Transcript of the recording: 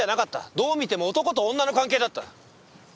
どう見ても男と女の関係だった。